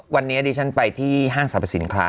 วันนี้ดิฉันไปที่ห้างสรรพสินค้า